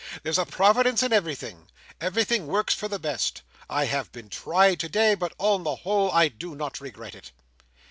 There's a providence in everything; everything works for the best; I have been tried today but on the whole I do not regret it."